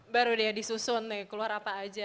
baru deh disusun nih keluar apa aja